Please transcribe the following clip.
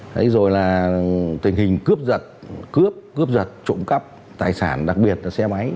thế rồi là tình hình cướp giật cướp cướp giật trộm cắp tài sản đặc biệt là xe máy